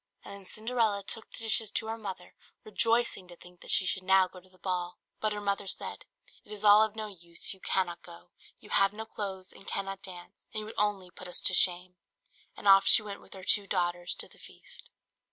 And then Cinderella took the dishes to her mother, rejoicing to think that she should now go to the ball. But her mother said, "It is all of no use, you cannot go, you have no clothes, and cannot dance, and you would only put us to shame:" and off she went with her two daughters to the feast.